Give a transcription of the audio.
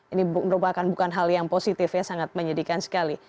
ini merupakan bukan hal yang positif ya sangat menyedihkan sekali